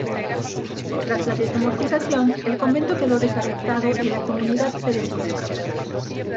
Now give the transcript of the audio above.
Tras la desamortización, el convento quedó desafectado y la comunidad se deshizo.